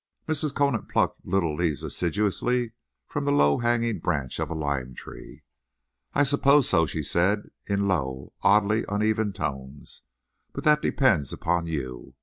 Mrs. Conant plucked little leaves assiduously from the low hanging branch of a lime tree. "I suppose so," she said, in low and oddly uneven tones; "but that depends upon you.